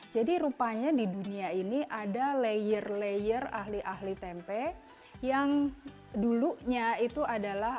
jadi rupanya di dunia ini ada layer layer ahli ahli tempe yang dulunya itu adalah